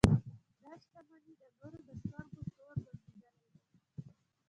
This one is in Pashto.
دا شتمنۍ د نورو د سترګو تور ګرځېدلې ده.